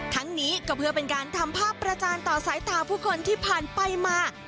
ทั้งนี้ก็เพื่อเป็นการทำภาพประจานต่อสายตาผู้คนที่ผ่านไปมา